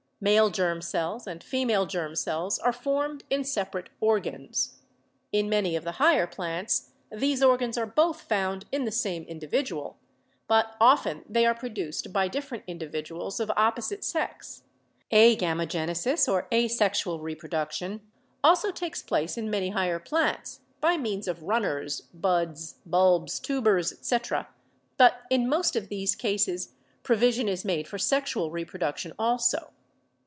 Male germ cells and female germ cells are formed in separate organs. In many of the higher plants these organs are both found in the same individual, but often they are produced by different individuals of opposite sex. Agamogenesis, or asexual re production, also takes place in many higher plants by means of runners, buds, bulbs, tubers, etc., but in most of these cases provision is made for sexual reproduction also.